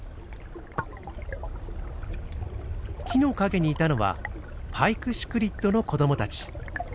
木の陰にいたのはパイクシクリッドの子どもたち。